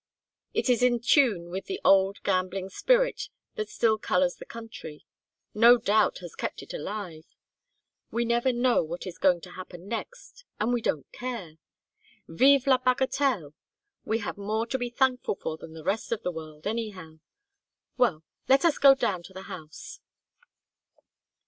It is in tune with the old gambling spirit that still colors the country; no doubt has kept it alive. We never know what is going to happen next, and we don't care. Vive la bagatelle. We have more to be thankful for than the rest of the world, anyhow. Well, let us go down to the house."